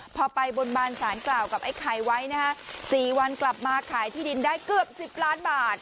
พอไปบนบานสารกล่าวกับไอ้ไข่ไว้นะฮะ๔วันกลับมาขายที่ดินได้เกือบ๑๐ล้านบาท